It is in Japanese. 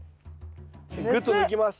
ぐっと抜きます。